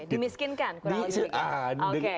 dimiskinkan kurang lebih